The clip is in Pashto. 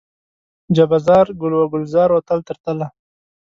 جبه زار، ګل و ګلزار و تل تر تله